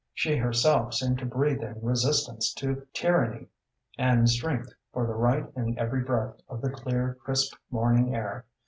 She herself seemed to breathe in resistance to tyranny, and strength for the right in every breath of the clear, crisp morning air.